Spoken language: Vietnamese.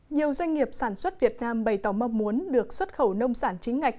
nhiều doanh nghiệp sản xuất việt nam bày tỏ mong muốn được xuất khẩu nông sản chính ngạch